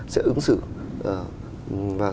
sẽ ứng xử và